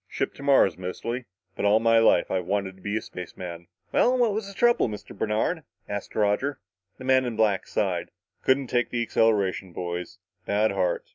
Ship to Mars, mostly. But all my life I've wanted to be a spaceman." "Well, what was the trouble, Mr. Bernard?" asked Roger. The man in black sighed. "Couldn't take the acceleration, boys. Bad heart.